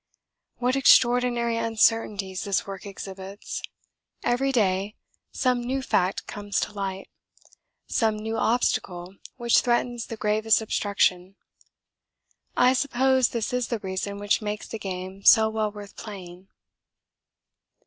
What extraordinary uncertainties this work exhibits! Every day some new fact comes to light some new obstacle which threatens the gravest obstruction. I suppose this is the reason which makes the game so well worth playing.